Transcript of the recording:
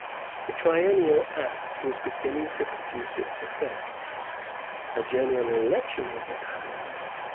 The Triennial Act was beginning to produce its effects. A general election was at hand.